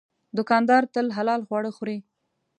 دوکاندار تل حلال خواړه خوري.